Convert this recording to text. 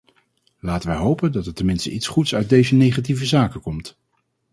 Laten wij hopen dat er tenminste iets goeds uit deze negatieve zaken komt.